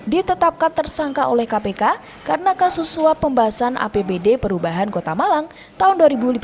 ditetapkan tersangka oleh kpk karena kasus suap pembahasan apbd perubahan kota malang tahun dua ribu lima belas